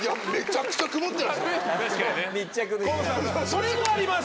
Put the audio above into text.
それもあります。